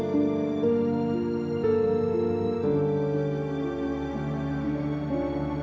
jadi vesang barin gerempa juga enak banget